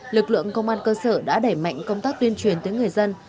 lực lượng công an cơ sở đã đẩy mạnh công tác tuyên truyền tới người dân